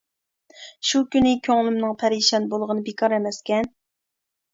شۇ كۈنى كۆڭلۈمنىڭ پەرىشان بولغىنى بىكار ئەمەسكەن!